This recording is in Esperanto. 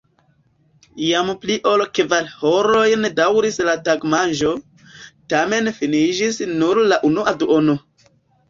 Jam pli ol kvar horojn daŭris la tagmanĝo, tamen finiĝis nur la unua duono.